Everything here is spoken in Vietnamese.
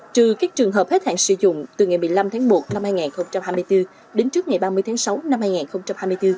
trừ các trường hợp hết hạn sử dụng từ ngày một mươi năm tháng một năm hai nghìn hai mươi bốn đến trước ngày ba mươi tháng sáu năm hai nghìn hai mươi bốn